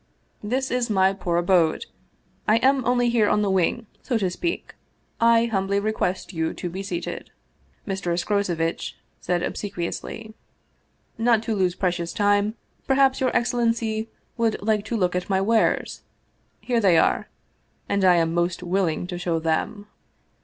" This is my poor abode. I am only here on the wing, so to speak. I humbly request you to be seated," Mr. Escrocevitch said obsequiously. " Not to lose precious time, perhaps your excellency would like to look at my wares? Here they are and I am most willing to show them."